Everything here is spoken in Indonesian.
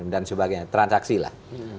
dan sebagainya transaksi lah